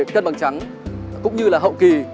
cân bằng trắng cũng như là hậu kì